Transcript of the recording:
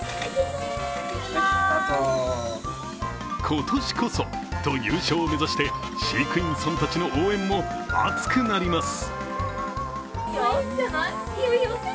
今年こそと優勝を目指して飼育員さんたちの応援も熱くなります。